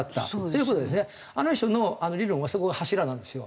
あの人のあの理論はそこが柱なんですよ。